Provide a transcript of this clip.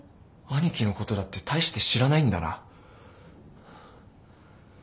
兄貴のことだって大して知らないんだな。